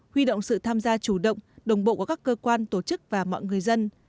huy động sự tham gia chủ động đồng bộ của các cơ quan tổ chức và mọi người dân